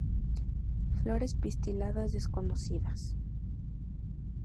Flores pistiladas desconocidas.